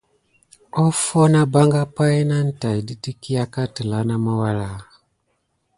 Offo nà ɓanga pay nane tät ɗiti ki àkà telà na mawuala adef.